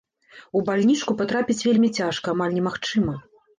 У бальнічку патрапіць вельмі цяжка, амаль немагчыма.